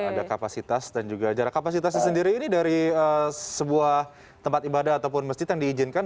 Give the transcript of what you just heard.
ada kapasitas dan juga jarak kapasitasnya sendiri ini dari sebuah tempat ibadah ataupun masjid yang diizinkan